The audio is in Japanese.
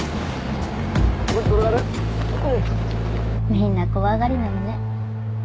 みんな怖がりなのね。